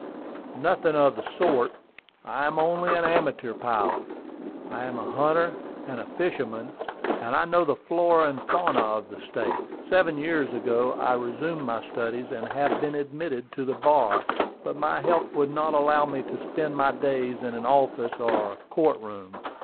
"Nothing of the sort: I am only an amateur pilot. I am a hunter and a fisherman, and I know the flora and the fauna of the State. Seven years ago I resumed my studies, and have been admitted to the bar. But my health would not allow me to spend my days in an office or a court room.